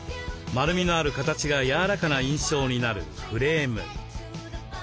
丸みのある形が柔らかな印象になるフレーム。